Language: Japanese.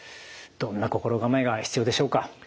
どんな心構えが必要でしょうか？